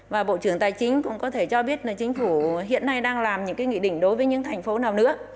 và bộ trưởng tài chính cũng có thể cho biết là chính phủ hiện nay đang làm những cái nghị định đối với những thành phố nào nữa